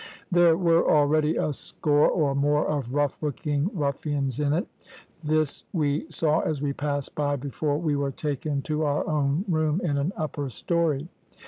There were already a score or more of rough looking ruffians in it; this we saw as we passed by before we were taken to our own room in an upper story.